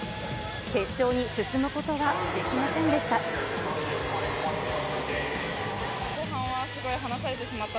決勝に進むことができませんでした。